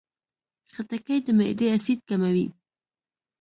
خټکی د معدې اسید کموي.